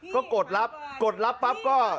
ก็กดรับกดรับปั๊บก็